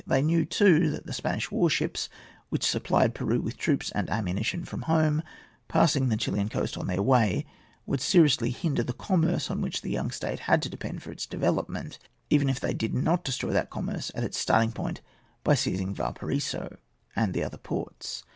They knew, too, that the Spanish war ships which supplied Peru with troops and ammunition from home, passing the Chilian coast on their way, would seriously hinder the commerce on which the young state had to depend for its development, even if they did not destroy that commerce at its starting point by seizing Valparaiso and the other ports.